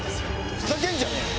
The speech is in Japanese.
ふざけんじゃねえよ！